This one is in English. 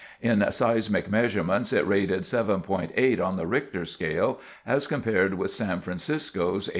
In seismic measurements, it rated 7.8 on the Richter Scale, as compared with San Francisco's 8.